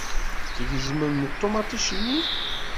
Tgezmem ṭumaṭic-nni.